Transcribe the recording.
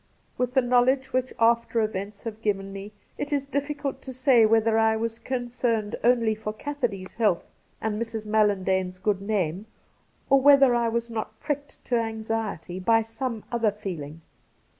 With the knowledge which after events have given me it is difficult to say whether I was con cerned only for Cassidy 's health and Mrs. Mallan dane's good name, or whether I was not pricked to anxiety by some other feeling.